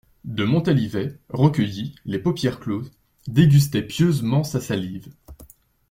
De Montalivet, recueilli, les paupières closes, dégustait pieusement sa salive.